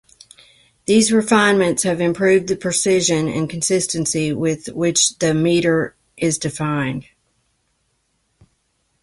These refinements have improved the precision and consistency with which the metre is defined.